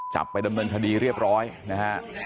ไปดำเนินคดีเรียบร้อยนะฮะ